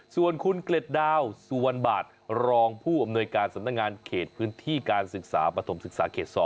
ส่วนคุณเกล็ดดาวสุวรรณบาทรองผู้อำนวยการสำนักงานเขตพื้นที่การศึกษาปฐมศึกษาเขต๒